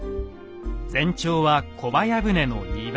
全長は小早船の２倍。